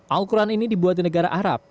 al quran ini dibuat di negara arab